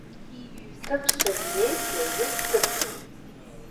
Сҭыԥ саниеит уажәы, сҭыԥ!